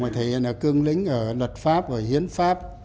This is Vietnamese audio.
thể hiện ở cương lĩnh ở luật pháp ở hiến pháp